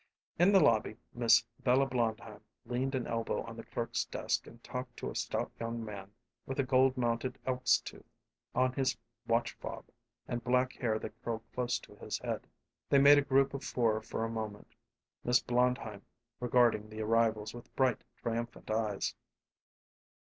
In the lobby Miss Bella Blondheim leaned an elbow on the clerk's desk and talked to a stout young man with a gold mounted elk's tooth on his watch fob, and black hair that curled close to his head. They made a group of four for a moment, Miss Blondheim regarding the arrivals with bright, triumphant eyes.